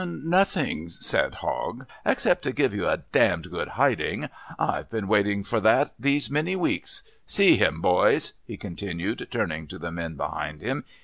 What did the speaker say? "Nothing," said Hogg, "except to give you a damned good hiding. I've been waiting for that these many weeks. See him, boys," he continued, turning to the men behind him.